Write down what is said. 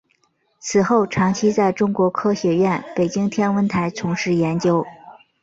此后长期在中国科学院北京天文台从事研究。